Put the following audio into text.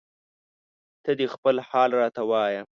ته دې خپل حال راته وایه